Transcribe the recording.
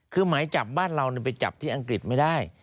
คือหมายจับบ้านเราไปจับที่อังกฤษไม่ได้